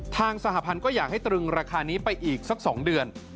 สหพันธ์ก็อยากให้ตรึงราคานี้ไปอีกสัก๒เดือน